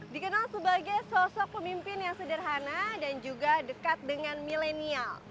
dikenal sebagai sosok pemimpin yang sederhana dan juga dekat dengan milenial